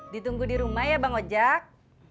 ditunggu di rumah ya bang ojek